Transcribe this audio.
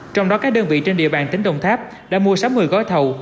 trong đó các đơn vị trên địa bàn tỉnh đồng tháp đã mua sắm một mươi gói thầu